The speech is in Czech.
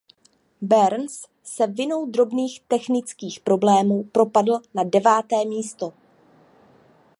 Burns se vinou drobných technických problémů propadl na deváté místo.